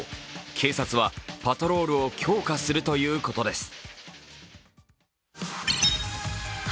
警察はパトロールを強化するということです。